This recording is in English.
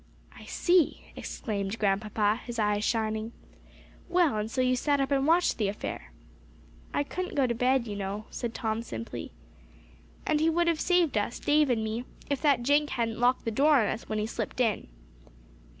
"I see," exclaimed Grandpapa, his eyes shining. "Well, and so you sat up and watched the affair." "I couldn't go to bed, you know," said Tom simply. "And he would have saved us, Dave and me, if that Jenk hadn't locked the door on us when he slipped in."